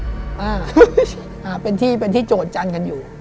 อ่าอุ่นเฮ้ยอ่าเป็นที่เป็นที่โจทย์จันทร์กันอยู่อ๋อ